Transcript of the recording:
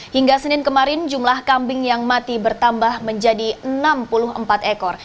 hingga senin kemarin jumlah kambing yang mati bertambah menjadi enam puluh empat ekor